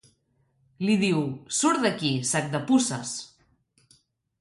Li diu: surt d'aquí, sac de puces!